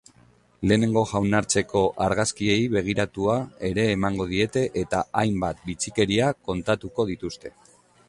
Lehenengo jaunartzeko argazkiei begiratua ere emango diete, eta hainbat bitxikeria kontatuko dituzte.